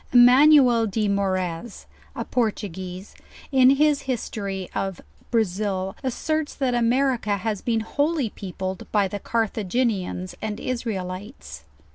Emanuel de Moraez, a Portuguese, in his history of Brazil, asserts that America has been wholly peopled by the Carthaginians and Israelites.